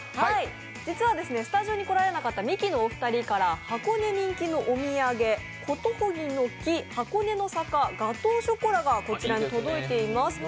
実はスタジオに来られなかったミキのお二人から箱根人気のお土産、ことほぎの木箱根の坂ガトーショコラがこちらに届いています。